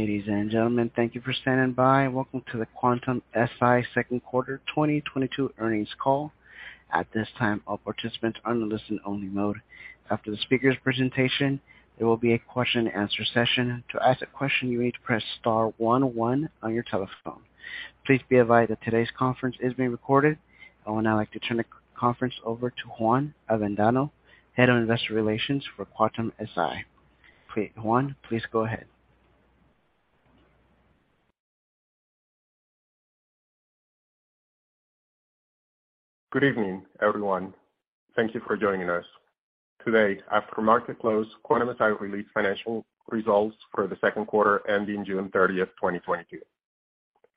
Ladies and gentlemen, thank you for standing by. Welcome to the Quantum-Si Incorporated Second Quarter 2022 Earnings Call. At this time, all participants are in listen-only mode. After the speaker's presentation, there will be a question-and-answer session. To ask a question, you need to press star one one on your telephone. Please be advised that today's conference is being recorded. I would now like to turn the conference over to Juan Avendano, Head of Investor Relations for Quantum-Si Incorporated. Please, Juan, please go ahead. Good evening, everyone. Thank you for joining us. Today, after market close, Quantum-Si released financial results for the second quarter ending June 30, 2022.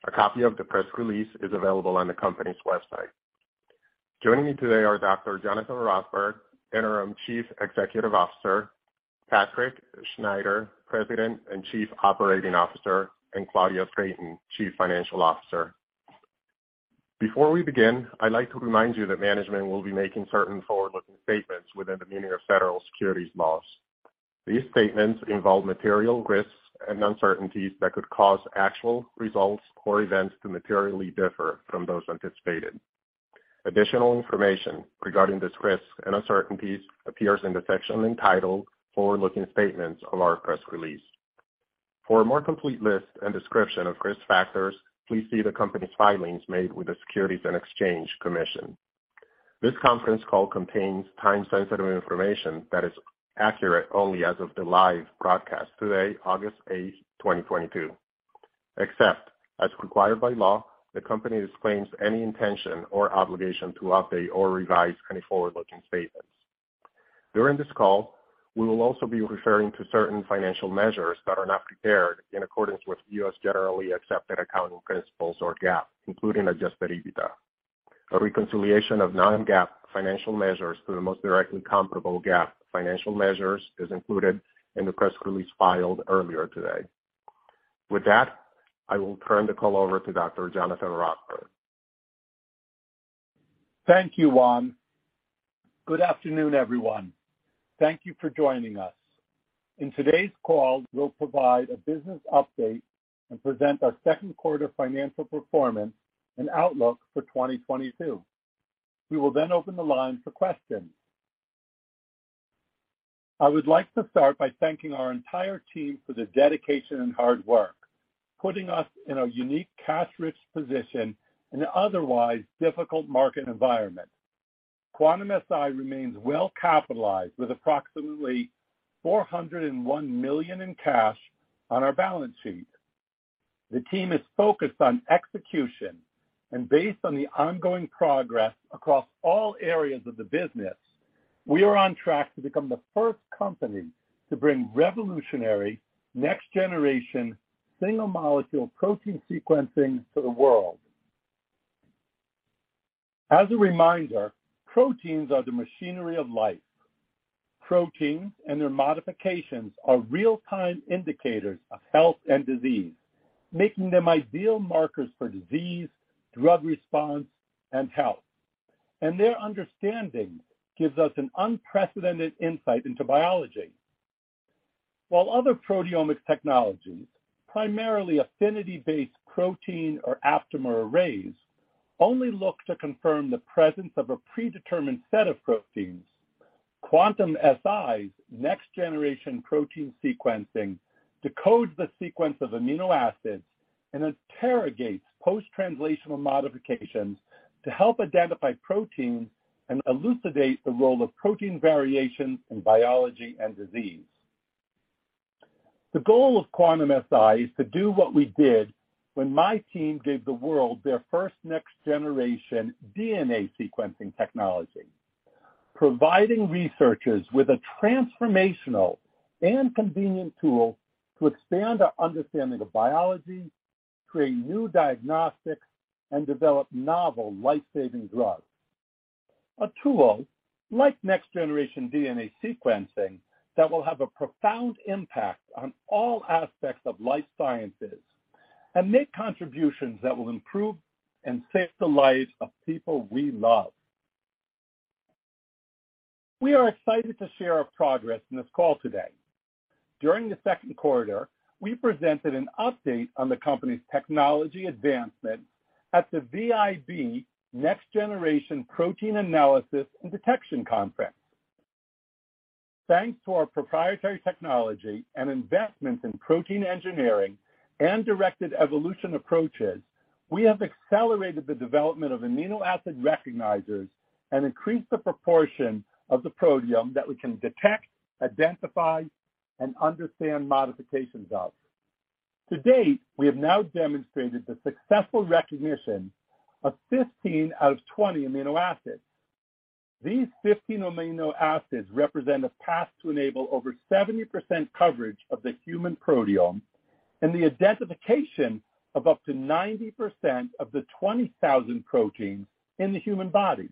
A copy of the press release is available on the company's website. Joining me today are Dr. Jonathan Rothberg, Interim Chief Executive Officer, Patrick Schneider, President and Chief Operating Officer, and Claudia Drayton, Chief Financial Officer. Before we begin, I'd like to remind you that management will be making certain forward-looking statements within the meaning of federal securities laws. These statements involve material risks and uncertainties that could cause actual results or events to materially differ from those anticipated. Additional information regarding these risks and uncertainties appears in the section entitled Forward Looking Statements of our press release. For a more complete list and description of risk factors, please see the company's filings made with the Securities and Exchange Commission. This conference call contains time-sensitive information that is accurate only as of the live broadcast today, August 8, 2022. Except as required by law, the company disclaims any intention or obligation to update or revise any forward-looking statements. During this call, we will also be referring to certain financial measures that are not prepared in accordance with U.S. generally accepted accounting principles or GAAP, including Adjusted EBITDA. A reconciliation of non-GAAP financial measures to the most directly comparable GAAP financial measures is included in the press release filed earlier today. With that, I will turn the call over to Dr. Jonathan Rothberg. Thank you, Juan. Good afternoon, everyone. Thank you for joining us. In today's call, we'll provide a business update and present our second quarter financial performance and outlook for 2022. We will then open the line for questions. I would like to start by thanking our entire team for their dedication and hard work, putting us in a unique cash-rich position in an otherwise difficult market environment. Quantum-Si remains well capitalized with approximately $401 million in cash on our balance sheet. The team is focused on execution and based on the ongoing progress across all areas of the business, we are on track to become the first company to bring revolutionary next-generation single-molecule protein sequencing to the world. As a reminder, proteins are the machinery of life. Proteins and their modifications are real-time indicators of health and disease, making them ideal markers for disease, drug response, and health. Their understanding gives us an unprecedented insight into biology. While other proteomic technologies, primarily affinity-based protein or aptamer arrays, only look to confirm the presence of a predetermined set of proteins. Quantum-Si's next generation protein sequencing decodes the sequence of amino acids and interrogates post-translational modifications to help identify proteins and elucidate the role of protein variations in biology and disease. The goal of Quantum-Si is to do what we did when my team gave the world their first next generation DNA sequencing technology, providing researchers with a transformational and convenient tool to expand our understanding of biology, create new diagnostics, and develop novel life-saving drugs. A tool like next-generation DNA sequencing that will have a profound impact on all aspects of life sciences and make contributions that will improve and save the lives of people we love. We are excited to share our progress in this call today. During the second quarter, we presented an update on the company's technology advancement at the VIB Next-Generation Protein Analysis and Detection Conference. Thanks to our proprietary technology and investments in protein engineering and directed evolution approaches, we have accelerated the development of amino acid recognizers and increased the proportion of the proteome that we can detect, identify, and understand modifications of. To date, we have now demonstrated the successful recognition of 15 out of 20 amino acids. These 15 amino acids represent a path to enable over 70% coverage of the human proteome and the identification of up to 90% of the 20,000 proteins in the human body,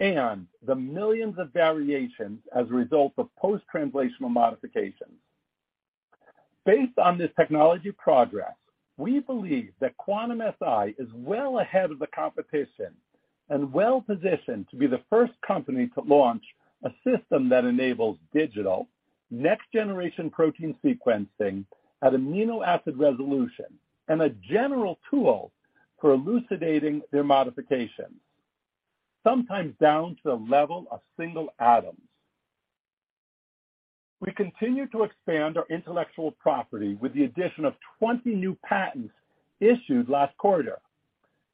and the millions of variations as a result of post-translational modifications. Based on this technology progress, we believe that Quantum-Si is well ahead of the competition and well positioned to be the first company to launch a system that enables digital next-generation protein sequencing at amino acid resolution and a general tool for elucidating their modifications, sometimes down to the level of single atoms. We continue to expand our intellectual property with the addition of 20 new patents issued last quarter,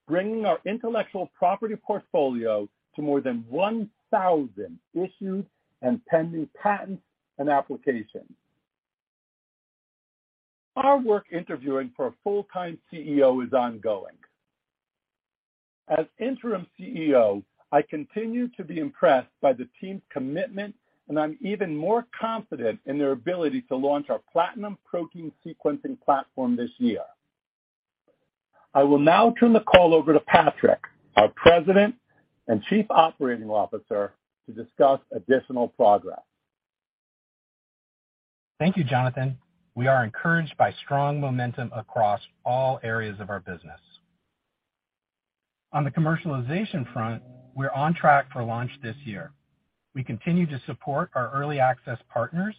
bringing our intellectual property portfolio to more than 1,000 issued and pending patents and applications. Our work interviewing for a full-time CEO is ongoing. As interim CEO, I continue to be impressed by the team's commitment, and I'm even more confident in their ability to launch our Platinum protein sequencing platform this year. I will now turn the call over to Patrick, our President and Chief Operating Officer, to discuss additional progress. Thank you, Jonathan. We are encouraged by strong momentum across all areas of our business. On the commercialization front, we're on track for launch this year. We continue to support our early access partners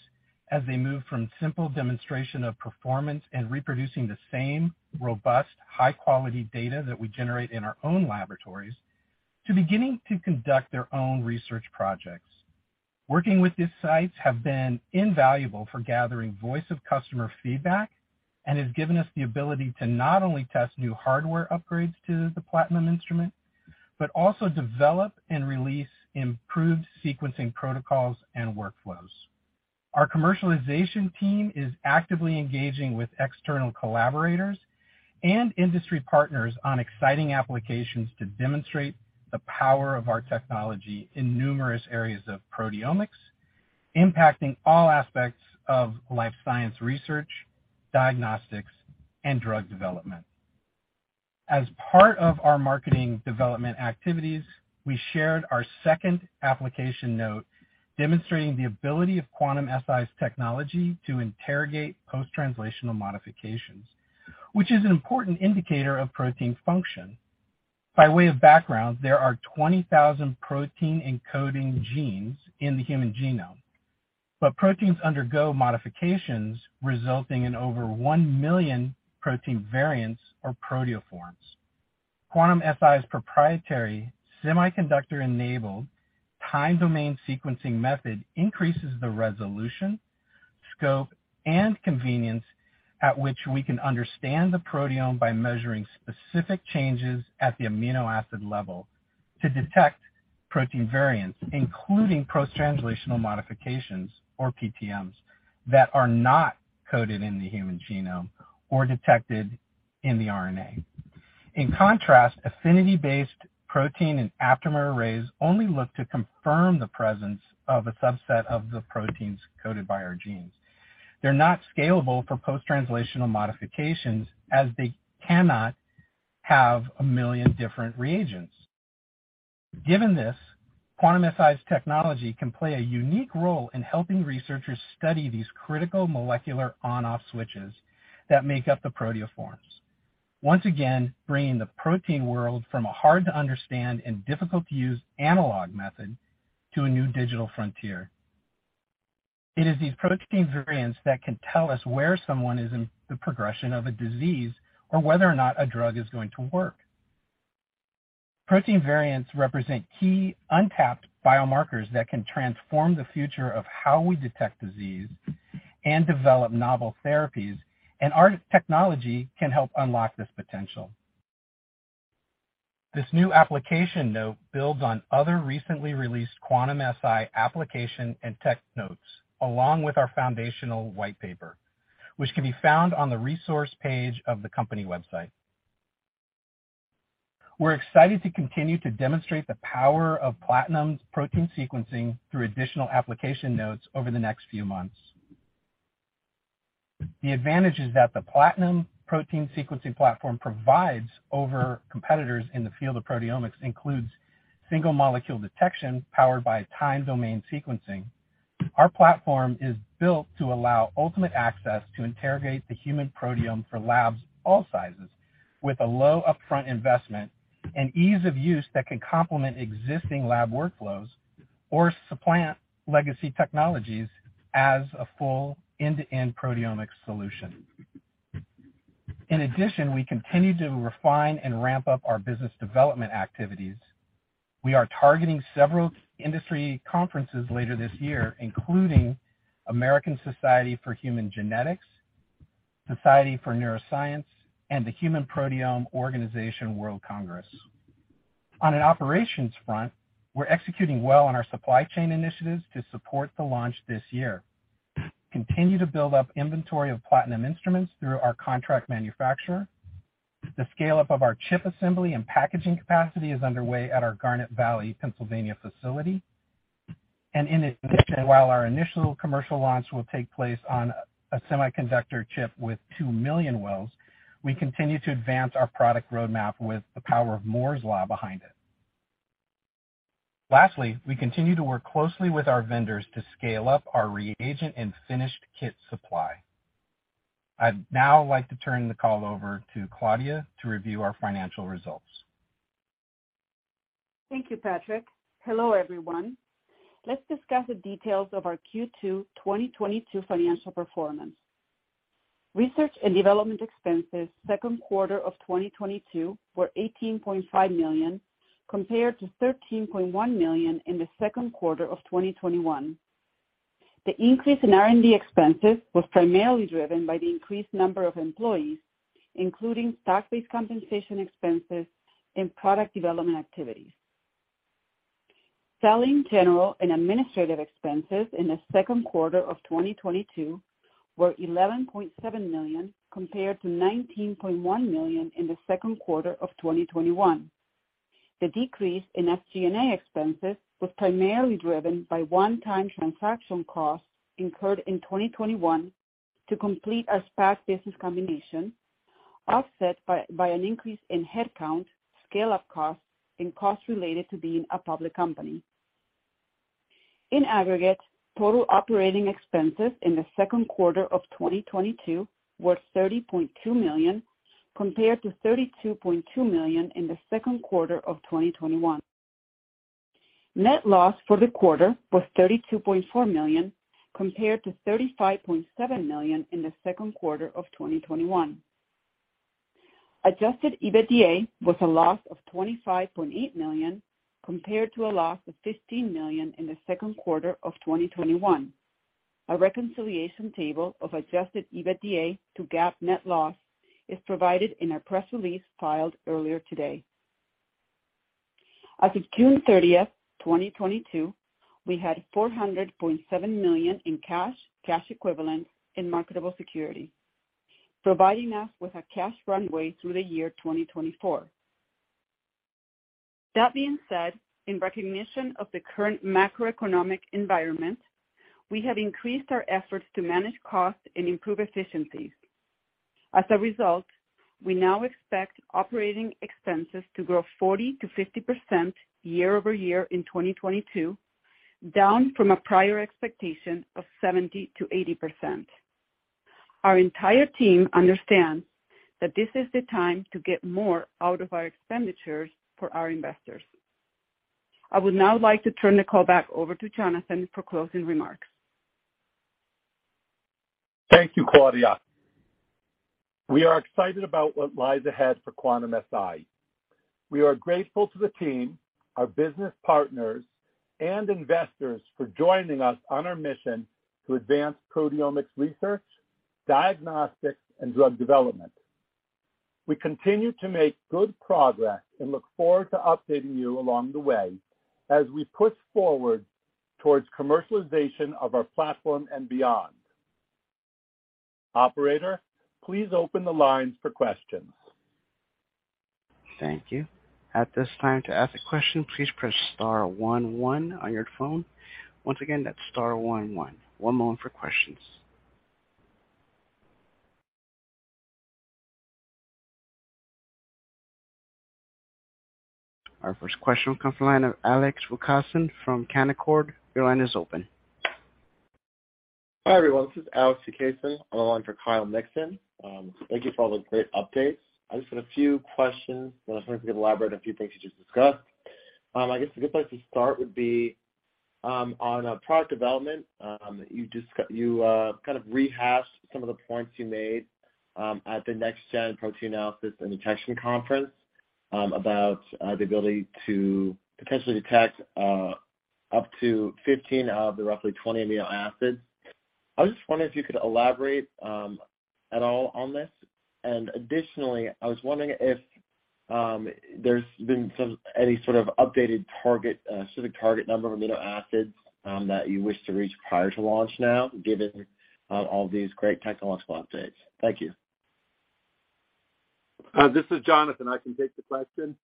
as they move from simple demonstration of performance and reproducing the same robust, high-quality data that we generate in our own laboratories to beginning to conduct their own research projects. Working with these sites have been invaluable for gathering voice of customer feedback and has given us the ability to not only test new hardware upgrades to the Platinum instrument, but also develop and release improved sequencing protocols and workflows. Our commercialization team is actively engaging with external collaborators and industry partners on exciting applications to demonstrate the power of our technology in numerous areas of proteomics, impacting all aspects of life science research, diagnostics, and drug development. As part of our marketing development activities, we shared our second application note demonstrating the ability of Quantum-Si Incorporated's technology to interrogate post-translational modifications, which is an important indicator of protein function. By way of background, there are 20,000 protein encoding genes in the human genome, but proteins undergo modifications resulting in over 1 million protein variants or proteoforms. Quantum-Si Incorporated's proprietary semiconductor-enabled time domain sequencing method increases the resolution, scope, and convenience at which we can understand the proteome by measuring specific changes at the amino acid level to detect protein variants, including post-translational modifications, or PTMs, that are not coded in the human genome or detected in the RNA. In contrast, affinity-based protein and aptamer arrays only look to confirm the presence of a subset of the proteins coded by our genes. They're not scalable for post-translational modifications as they cannot have a million different reagents. Given this, Quantum-Si incorporated's technology can play a unique role in helping researchers study these critical molecular on/off switches that make up the proteoforms. Once again, bringing the protein world from a hard-to-understand and difficult-to-use analog method to a new digital frontier. It is these protein variants that can tell us where someone is in the progression of a disease or whether or not a drug is going to work. Protein variants represent key untapped biomarkers that can transform the future of how we detect disease and develop novel therapies, and our technology can help unlock this potential. This new application note builds on other recently released Quantum-Si incorporated application and tech notes, along with our foundational white paper, which can be found on the resource page of the company website. We're excited to continue to demonstrate the power of Platinum protein sequencing through additional application notes over the next few months. The advantages that the Platinum protein sequencing platform provides over competitors in the field of proteomics includes single-molecule detection powered by Time Domain Sequencing. Our platform is built to allow ultimate access to interrogate the human proteome for labs of all sizes with a low upfront investment and ease of use that can complement existing lab workflows or supplant legacy technologies as a full end-to-end proteomics solution. In addition, we continue to refine and ramp up our business development activities. We are targeting several industry conferences later this year, including American Society of Human Genetics, Society for Neuroscience, and the Human Proteome Organization World Congress. On an operations front, we're executing well on our supply chain initiatives to support the launch this year. Continue to build up inventory of Platinum instruments through our contract manufacturer. The scale-up of our chip assembly and packaging capacity is underway at our Garnet Valley, Pennsylvania facility. In addition, while our initial commercial launch will take place on a semiconductor chip with 2 million wells, we continue to advance our product roadmap with the power of Moore's Law behind it. Lastly, we continue to work closely with our vendors to scale up our reagent and finished kit supply. I'd now like to turn the call over to Claudia to review our financial results. Thank you, Patrick. Hello, everyone. Let's discuss the details of our Q2 2022 financial performance. Research and development expenses second quarter of 2022 were $18.5 million, compared to $13.1 million in the second quarter of 2021. The increase in R&D expenses was primarily driven by the increased number of employees, including stock-based compensation expenses and product development activities. Selling, general, and administrative expenses in the second quarter of 2022 were $11.7 million, compared to $19.1 million in the second quarter of 2021. The decrease in SG&A expenses was primarily driven by one-time transaction costs incurred in 2021 to complete our SPAC business combination, offset by an increase in headcount, scale-up costs, and costs related to being a public company. In aggregate, total operating expenses in the second quarter of 2022 were $30.2 million, compared to $32.2 million in the second quarter of 2021. Net loss for the quarter was $32.4 million, compared to $35.7 million in the second quarter of 2021. Adjusted EBITDA was a loss of $25.8 million, compared to a loss of $15 million in the second quarter of 2021. A reconciliation table of Adjusted EBITDA to GAAP net loss is provided in our press release filed earlier today. As of June 30, 2022, we had $400.7 million in cash equivalents, and marketable securities, providing us with a cash runway through 2024. That being said, in recognition of the current macroeconomic environment, we have increased our efforts to manage costs and improve efficiencies. As a result, we now expect operating expenses to grow 40%-50% year-over-year in 2022, down from a prior expectation of 70%-80%. Our entire team understands that this is the time to get more out of our expenditures for our investors. I would now like to turn the call back over to Jonathan for closing remarks. Thank you, Claudia. We are excited about what lies ahead for Quantum-Si Incorporated. We are grateful to the team, our business partners, and investors for joining us on our mission to advance proteomics research, diagnostics, and drug development. We continue to make good progress and look forward to updating you along the way as we push forward towards commercialization of our platform and beyond. Operator, please open the lines for questions. Thank you. At this time, to ask a question, please press star one one on your phone. Once again, that's star one one. One moment for questions. Our first question will come from the line of Alex Vukasin from Canaccord Genuity. Your line is open. Hi, everyone, this is Alex Vukasin. I'm on the line for Kyle Mikson. Thank you for all those great updates. I just had a few questions, and I was wondering if you could elaborate a few things you just discussed. I guess a good place to start would be on product development. You kind of rehashed some of the points you made at the Next-Generation Protein Analysis and Detection Conference about the ability to potentially detect up to 15 out of the roughly 20 amino acids. I was just wondering if you could elaborate at all on this. Additionally, I was wondering if there's been any sort of updated target specific target number of amino acids that you wish to reach prior to launch now, given all these great technological updates. Thank you. This is Jonathan. I can take the question.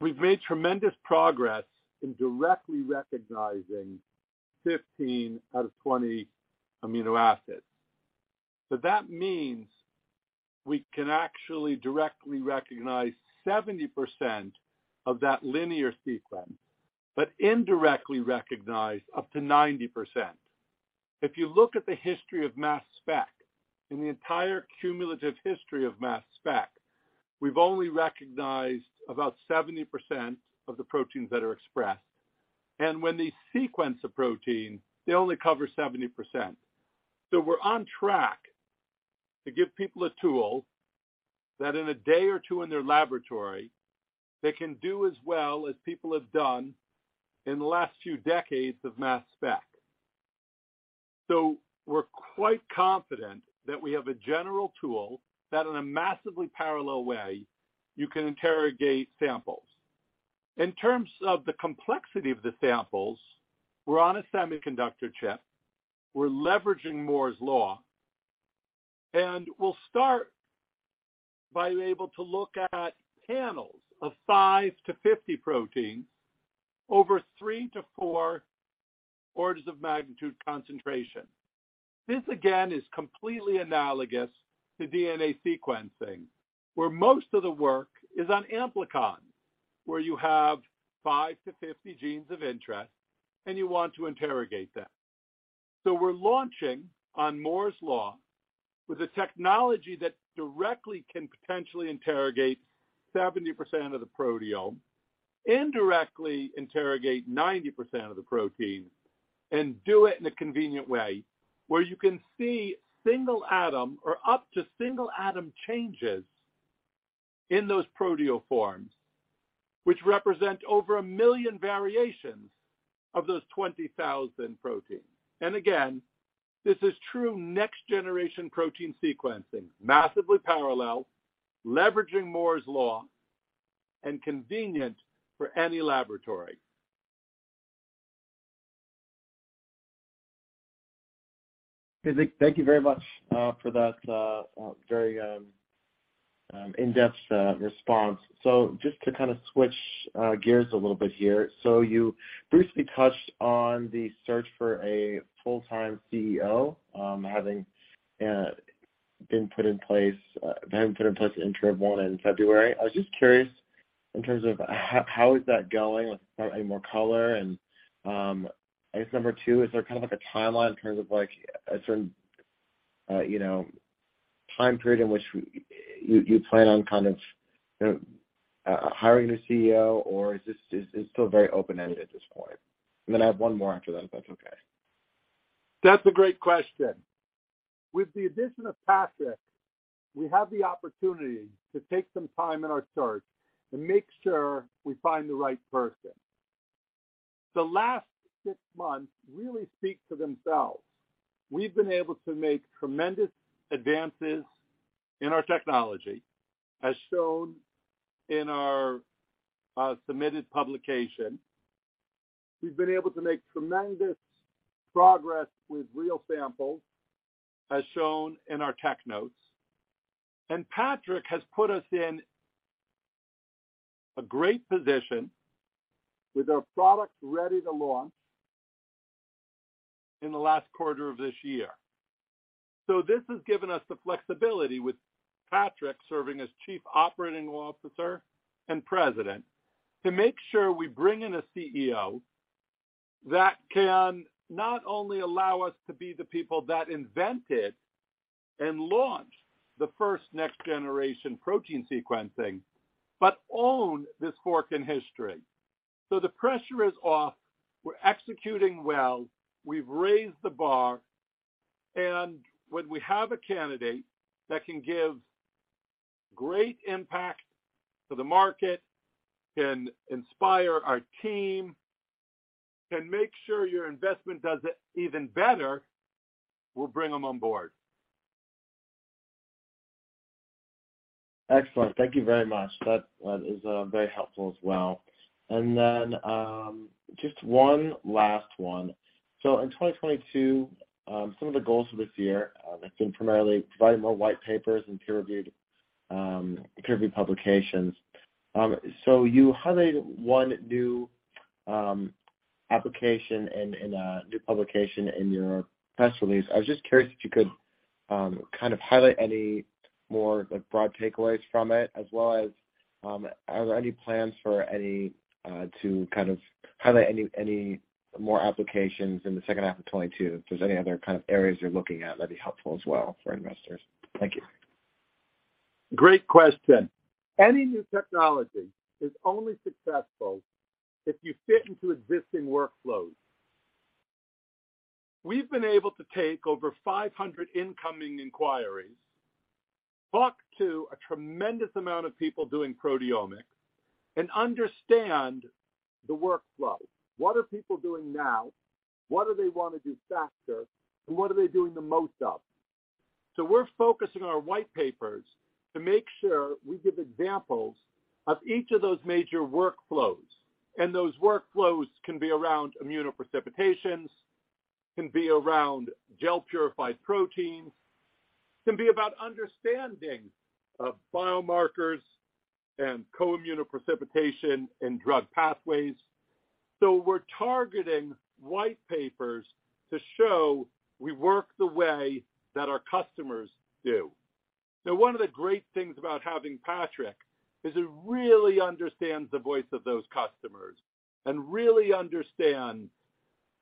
We've made tremendous progress in directly recognizing 15 out of 20 amino acids. That means we can actually directly recognize 70% of that linear sequence, but indirectly recognize up to 90%. If you look at the history of mass spec, in the entire cumulative history of mass spec, we've only recognized about 70% of the proteins that are expressed, and when they sequence a protein, they only cover 70%. We're on track to give people a tool that in a day or two in their laboratory, they can do as well as people have done in the last few decades of mass spec. We're quite confident that we have a general tool that in a massively parallel way, you can interrogate samples. In terms of the complexity of the samples, we're on a semiconductor chip, we're leveraging Moore's Law, and we'll start by being able to look at panels of 5-50 proteins over 3-4 orders of magnitude concentration. This, again, is completely analogous to DNA sequencing, where most of the work is on amplicons, where you have 5-50 genes of interest and you want to interrogate them. We're launching on Moore's Law with a technology that directly can potentially interrogate 70% of the proteome, indirectly interrogate 90% of the proteins, and do it in a convenient way where you can see single atom or up to single atom changes in those proteoforms, which represent over 1 million variations of those 20,000 proteins. Again, this is true next-generation protein sequencing, massively parallel, leveraging Moore's Law and convenient for any laboratory. Okay, thank you very much for that very in-depth response. Just to kind of switch gears a little bit here. You briefly touched on the search for a full-time CEO, having been put in place interim one in February. I was just curious in terms of how is that going with any more color? And, I guess number two, is there kind of like a timeline in terms of like a certain, you know, time period in which you plan on kind of, you know, hiring a CEO? Or is it still very open-ended at this point? And then I have one more after that, if that's okay. That's a great question. With the addition of Patrick, we have the opportunity to take some time in our search and make sure we find the right person. The last six months really speak to themselves. We've been able to make tremendous advances in our technology, as shown in our submitted publication. We've been able to make tremendous progress with real samples, as shown in our tech notes. Patrick has put us in a great position with our products ready to launch in the last quarter of this year. This has given us the flexibility with Patrick serving as Chief Operating Officer and President, to make sure we bring in a CEO that can not only allow us to be the people that invented and launched the first next-generation protein sequencing, but own this fork in history. The pressure is off. We're executing well. We've raised the bar. When we have a candidate that can give great impact to the market, can inspire our team, can make sure your investment does even better, we'll bring them on board. Excellent. Thank you very much. That is very helpful as well. Just one last one. In 2022, some of the goals for this year, I think primarily providing more white papers and peer-reviewed publications. You highlighted one new application and new publication in your press release. I was just curious if you could kind of highlight any more like broad takeaways from it, as well as, are there any plans for any to kind of highlight any more applications in the second half of 2022? If there's any other kind of areas you're looking at, that'd be helpful as well for investors. Thank you. Great question. Any new technology is only successful if you fit into existing workflows. We've been able to take over 500 incoming inquiries, talk to a tremendous amount of people doing proteomics, and understand the workflow. What are people doing now? What do they want to do faster? What are they doing the most of? We're focusing our white papers to make sure we give examples of each of those major workflows. Those workflows can be around immunoprecipitations, can be around gel-purified proteins, can be about understanding of biomarkers and co-immunoprecipitation and drug pathways. We're targeting white papers to show we work the way that our customers do. One of the great things about having Patrick is he really understands the voice of those customers and really understand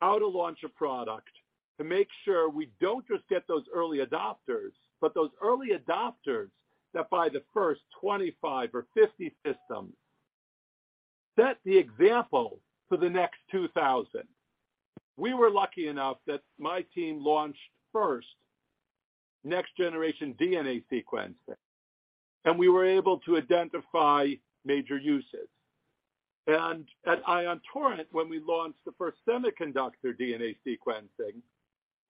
how to launch a product to make sure we don't just get those early adopters, but those early adopters that buy the first 25 or 50 systems set the example for the next 2,000. We were lucky enough that my team launched first next-generation DNA sequencing, and we were able to identify major uses. At Ion Torrent, when we launched the first semiconductor DNA sequencing,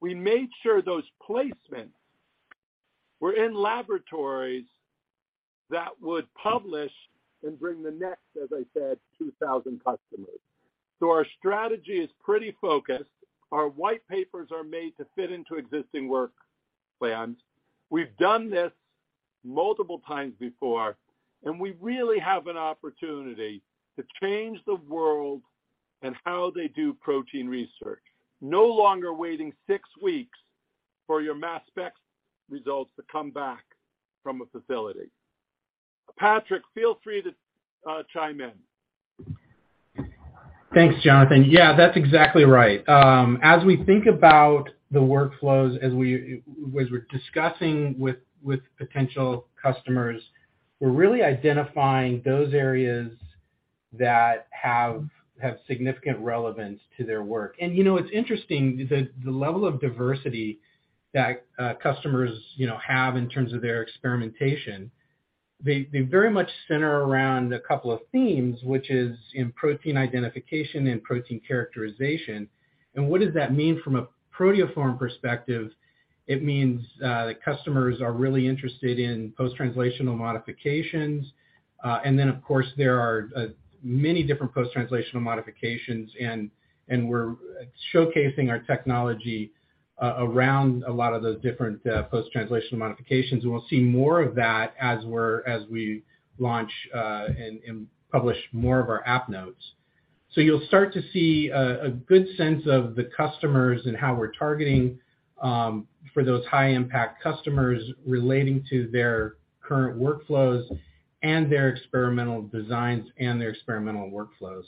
we made sure those placements were in laboratories that would publish and bring the next, as I said, 2,000 customers. Our strategy is pretty focused. Our white papers are made to fit into existing work plans. We've done this multiple times before, and we really have an opportunity to change the world and how they do protein research. No longer waiting six weeks for your mass specs results to come back from a facility. Patrick, feel free to chime in. Thanks, Jonathan. Yeah, that's exactly right. As we think about the workflows, as we're discussing with potential customers, we're really identifying those areas that have significant relevance to their work. You know, it's interesting the level of diversity that customers, you know, have in terms of their experimentation. They very much center around a couple of themes, which is in protein identification and protein characterization. What does that mean from a proteoform perspective? It means the customers are really interested in post-translational modifications. Of course there are many different post-translational modifications and we're showcasing our technology around a lot of those different post-translational modifications. We'll see more of that as we launch and publish more of our app notes. You'll start to see a good sense of the customers and how we're targeting for those high impact customers relating to their current workflows and their experimental designs and their experimental workflows.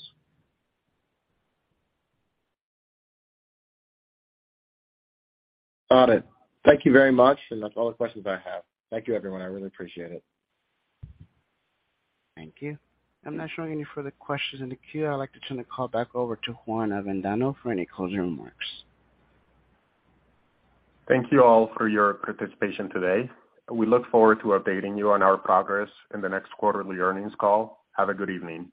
Got it. Thank you very much, and that's all the questions I have. Thank you everyone, I really appreciate it. Thank you. I'm not showing any further questions in the queue. I'd like to turn the call back over to Juan Avendano for any closing remarks. Thank you all for your participation today. We look forward to updating you on our progress in the next quarterly earnings call. Have a good evening.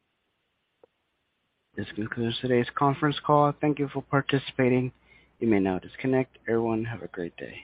This concludes today's conference call. Thank you for participating. You may now disconnect. Everyone, have a great day.